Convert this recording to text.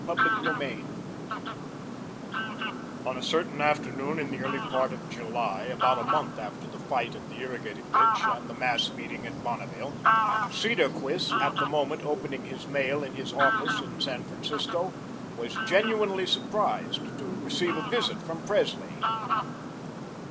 CHAPTER VIII On a certain afternoon in the early part of July, about a month after the fight at the irrigating ditch and the mass meeting at Bonneville, Cedarquist, at the moment opening his mail in his office in San Francisco, was genuinely surprised to receive a visit from Presley.